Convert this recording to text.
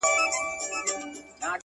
چپ سه دا خبر حالات راته وايي _